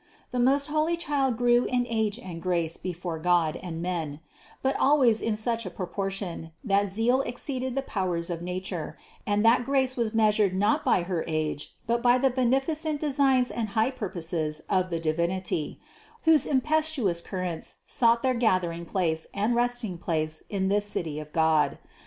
The most holy Child grew in age and grace before God and men : but always in such a proportion, that zeal exceeded the powers of nature, and that grace was measured not by her age, but by the beneficent designs and high purposes of the Divinity, whose impetuous currents sought their gath ering place and resting place in this City of God.